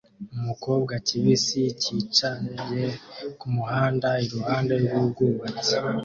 Umukobwa kibisi cyicaye kumuhanda iruhande rwubwubatsi